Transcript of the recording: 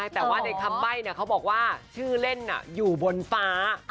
แต่ว่าในคำใบ้เขาบอกว่าชื่อเล่นอยู่บนฟ้า